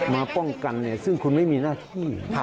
มาป้องกันซึ่งคุณไม่มีหน้าที่